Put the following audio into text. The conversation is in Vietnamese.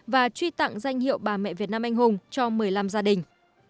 và truy tặng danh hiệu bà mẹ việt nam anh hùng cho một mươi năm gia đình